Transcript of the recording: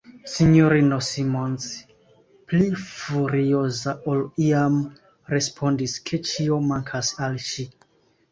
S-ino Simons, pli furioza ol iam, respondis, ke ĉio mankas al ŝi.